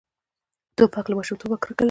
توپک له ماشومتوبه کرکه لري.